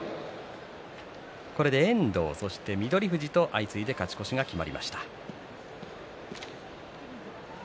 これで遠藤と翠富士相次いで勝ち越しが決まりました。